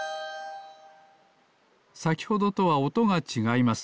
さきほどとはおとがちがいます。